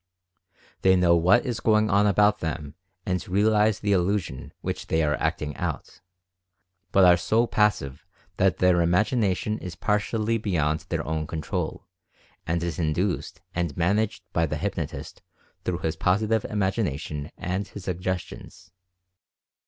They know what is going on about them and realize the illusion which they are acting out, but are so passive that their imagination is partially beyond their own control and is induced and managed by the hypnotist through his Positive Imagination and his Suggestions.